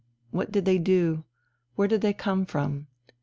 What did they do? Where did they come from?